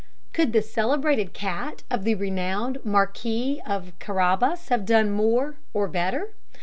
Could the celebrated cat of the renowned Marquis of Carrabas have done more, or better?